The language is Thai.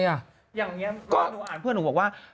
อย่างนี้เขาหาเพื่อนหนูบอกว่า